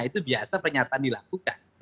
itu biasa pernyataan dilakukan